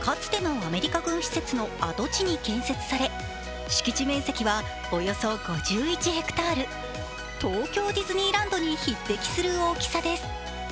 かつてのアメリカ軍施設の跡地に建設され敷地面積はおよそ５１ｈａ東京ディズニーランドに匹敵する大きさです。